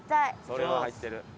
それは入ってる。